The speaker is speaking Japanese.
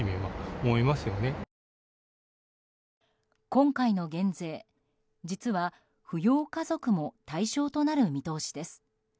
今回の減税、実は扶養家族も対象となる見通しです。